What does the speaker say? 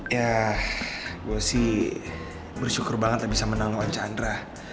ya gue sih bersyukur banget lah bisa menang lawan chandra